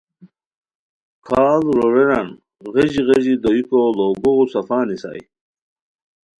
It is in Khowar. کھاڑ رورینان غیژی غیژی دوئیکو ڑوگوغو صفا نیسائے